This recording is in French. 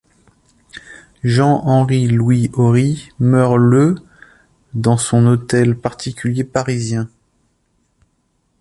Jean-Henri-Louis Orry meurt le dans son hôtel particulier parisien.